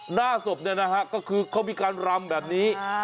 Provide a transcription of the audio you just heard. หน้าศพเนี่ยนะฮะก็คือเขามีการรำแบบนี้